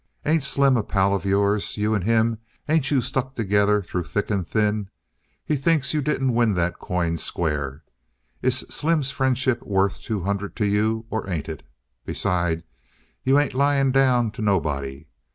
"Ain't Slim a pal of yours? You and him, ain't you stuck together through thick and thin? He thinks you didn't win that coin square. Is Slim's friendship worth two hundred to you, or ain't it? Besides, you ain't lying down to nobody.